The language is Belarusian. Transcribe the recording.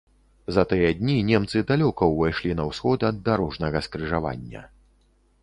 За тыя дні немцы далёка ўвайшлі на ўсход ад дарожнага скрыжавання.